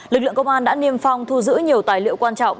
lực lượng công an đã niêm phong thu giữ nhiều tài liệu quan trọng